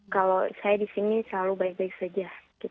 kalau saya di sini selalu baik baik saja